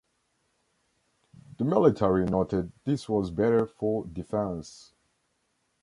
The military noted this was better for defense.